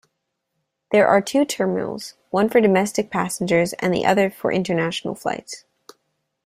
There are two terminals, one for domestic passengers and the other for international flights.